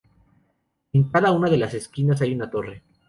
En cada una de las esquinas hay una torre.